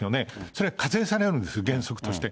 それは課税されるんです、原則として。